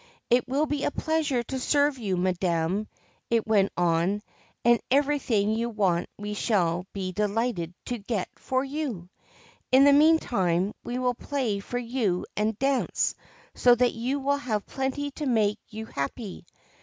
' It will be a pleasure to serve you, madam/ it went on, ' and everything you want we shall be delighted to get for you ; in the meantime we will play for you and dance so that you will have plenty to make you happy.'